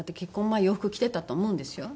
前洋服着てたと思うんですよ。